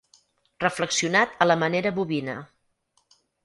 Reflexionat a la manera bovina.